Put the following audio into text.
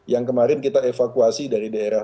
yang kemarin kita evakuasi dari daerah